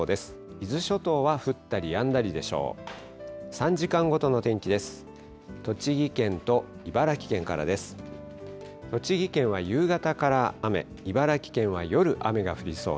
伊豆諸島は降ったりやんだりでしょう。